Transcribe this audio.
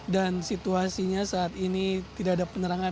dan situasinya saat ini tidak ada penerangan